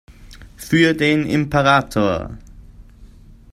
Für den Imperator!